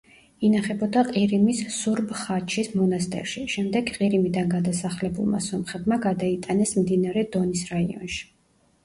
ინახებოდა ყირიმის სურბ-ხაჩის მონასტერში, შემდეგ ყირიმიდან გადასახლებულმა სომხებმა გადაიტანეს მდინარე დონის რაიონში.